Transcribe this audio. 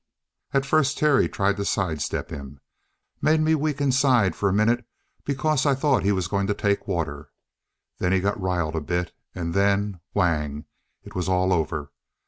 "At first Terry tried to sidestep him. Made me weak inside for a minute because I thought he was going to take water. Then he got riled a bit and then whang! It was all over.